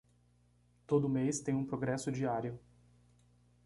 Todo mês tem um progresso diário